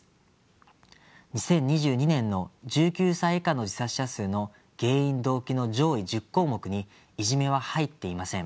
２０２２年の１９歳以下の自殺者数の原因・動機の上位１０項目に「いじめ」は入っていません。